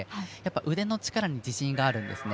腕の力に自信があるんですね。